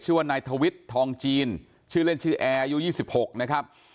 ว่านายทวิทย์ทองจีนชื่อเล่นชื่อแอร์อายุ๒๖นะครับ